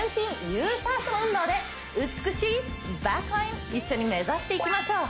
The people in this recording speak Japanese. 有酸素運動で美しいバックライン一緒に目指していきましょう